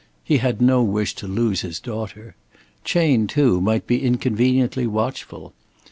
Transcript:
He had no wish to lose his daughter. Chayne, too, might be inconveniently watchful.